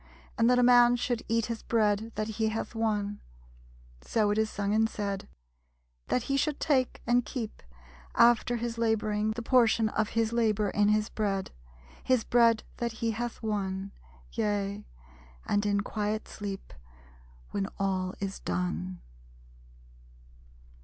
And that a man should eat His bread that he hath won; (So is it sung and said), That he should take and keep, After his laboring, The portion of his labor in his bread, His bread that he hath won; Yea, and in quiet sleep, When all is done.